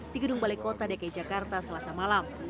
di gedung balai kota dki jakarta selasa malam